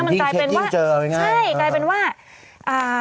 มันกลายเป็นว่าใช่มันกลายเป็นว่า